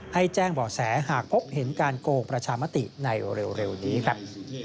ให้แจ้งบ่อแสหากพบเห็นการโกงประชามติในเร็วนี้ครับ